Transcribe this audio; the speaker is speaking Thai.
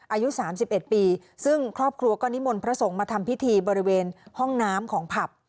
อายุ๓๑ปีซึ่งครอบครัวก็นิมนต์พระสงฆ์มาทำพิธีบริเวณห้องน้ำของผับ